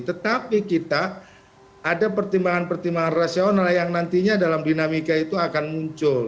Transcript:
tetapi kita ada pertimbangan pertimbangan rasional yang nantinya dalam dinamika itu akan muncul